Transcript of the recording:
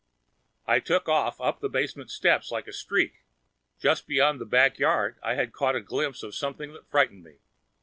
I took off up the basement steps like a streak. Just beyond the back yard, I had caught a glimpse of something that frightened me.